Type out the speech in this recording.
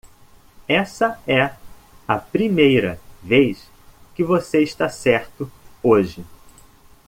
Essa é a primeira vez que você está certo hoje.